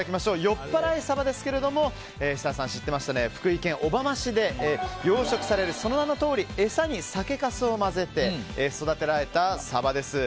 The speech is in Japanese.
よっぱらいサバは設楽さんは知っていましたが福井県小浜市で養殖されるその名のとおり餌に酒かすを混ぜて育てられたサバです。